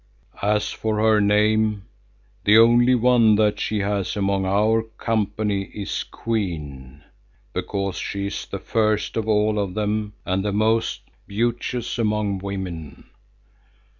As for her name, the only one that she has among our company is 'Queen,' because she is the first of all of them and the most beauteous among women.